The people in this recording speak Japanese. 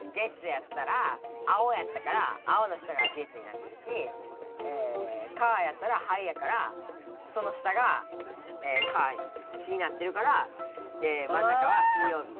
やったら青やったから青の下が「月」になってるし「火」やったら灰やからその下が「火」になってるからまん中は水曜日。